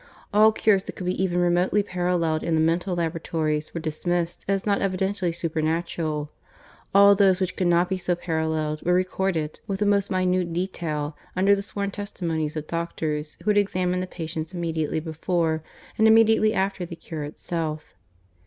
All cures that could be even remotely paralleled in the mental laboratories were dismissed as not evidently supernatural; all those which could not be so paralleled were recorded, with the most minute detail, under the sworn testimonies of doctors who had examined the patients immediately before and immediately after the cure itself.